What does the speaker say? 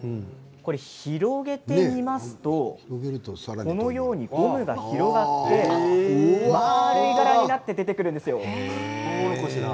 広げてみますとこのようにゴムが広がって円い柄になって出てくるんです。